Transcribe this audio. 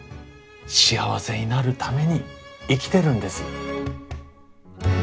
幸せになるために生きてるんです。